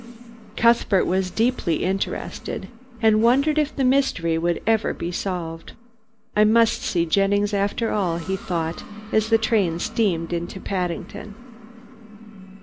Cuthbert was deeply interested, and wondered if the mystery would ever be solved. "I must see Jennings after all," he thought as the train steamed into Paddington.